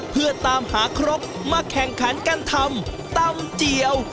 เพื่อตามหาครกมาแข่งขันกันทำตำเจียว